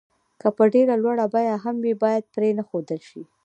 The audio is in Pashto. که په ډېره لوړه بيه هم وي بايد پرې نه ښودل شي.